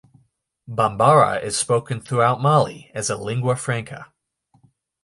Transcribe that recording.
Bambara is spoken throughout Mali as a lingua franca.